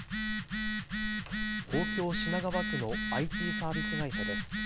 東京品川区のＩＴサービス会社です。